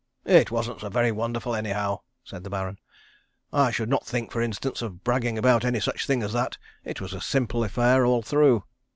"It wasn't so very wonderful, anyhow," said the Baron. "I should not think, for instance, of bragging about any such thing as that. It was a simple affair all through."